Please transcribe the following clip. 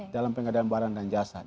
dalam pengadaan barang dan jasa